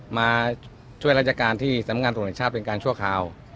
มาช่วยรหัยการที่สามังงานบุญชาปเป็นการชั่วคราว